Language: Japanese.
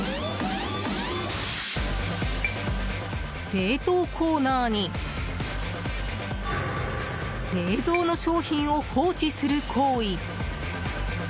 冷凍コーナーに冷蔵の商品を放置する行為。